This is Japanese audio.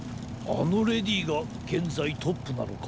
あのレディーがげんざいトップなのか。